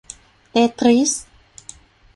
เตตริส !